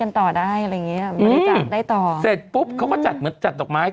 กันต่อได้บริจักษ์ได้ต่อเสร็จปุ๊บเขาก็จัดเหมือนจัดดอกไม้